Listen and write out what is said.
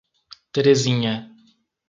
Terezinha